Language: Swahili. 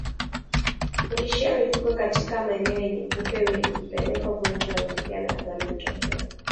Kulishia mifugo katika maeneo yenye kupe wengi hupelekea ugonjwa wa ndigana baridi kutokea